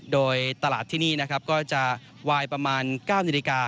โดยตลาดที่นี่นะครับก็จะวายประมาณ๙นาฬิกา